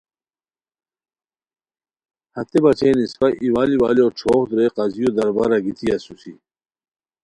ہتے بچین اسپہ ایوال ایوالیو ݯھوغ درے قاضیو دربارا گیتی اسوسی